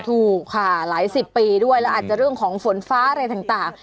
ถูกค่ะหลายสิบปีด้วยแล้วอาจจะเรื่องของฝนฟ้าอะไรต่าง